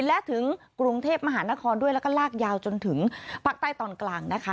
และถึงกรุงเทพมหานครด้วยแล้วก็ลากยาวจนถึงภาคใต้ตอนกลางนะคะ